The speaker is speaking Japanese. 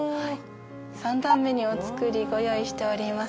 ３段目にお造りご用意しております。